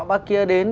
bác kia đến